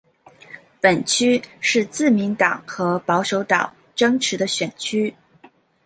本区是自民党和保守党争持的选区。